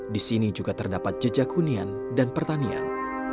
di sini juga terdapat jejak hunian dan pertanian